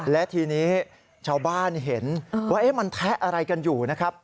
และทีนี้ชาวบ้านเห็นว่ามันแทะอะไรกันอยู่นะครับ